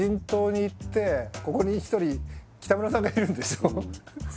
ここに１人北村さんがいるんでしょ？